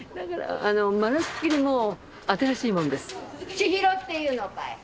「千尋」っていうのかい。